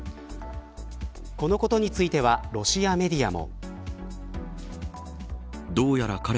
このことについてはロシアメディアも。